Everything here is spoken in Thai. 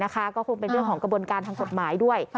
ก็คงเป็นเรื่องของกระบวนการทางกฎหมายด้วย